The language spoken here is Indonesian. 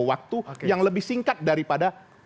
waktu yang lebih singkat daripada